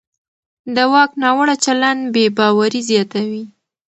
د واک ناوړه چلند بې باوري زیاتوي